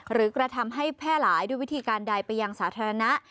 กระทำให้แพร่หลายด้วยวิธีการใดไปยังสาธารณะ